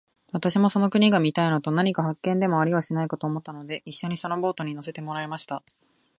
私もその国が見たいのと、何か発見でもありはしないかと思ったので、一しょにそのボートに乗せてもらいました。